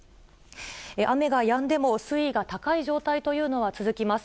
雨がやんでも、水位が高い状態というのは続きます。